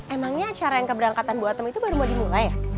emangnya acara yang keberangkatan buat temen itu baru mau dimulai ya